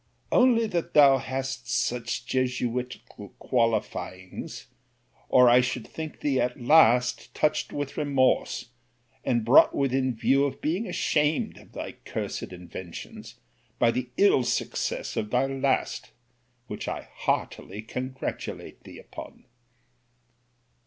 Only that thou hast such jesuitical qualifyings, or I should think thee at last touched with remorse, and brought within view of being ashamed of thy cursed inventions by the ill success of thy last: which I heartily congratulate thee upon.